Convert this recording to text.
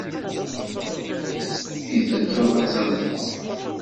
I tedduḍ ad teẓẓleḍ?